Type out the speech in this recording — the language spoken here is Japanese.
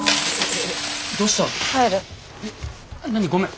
何ごめん。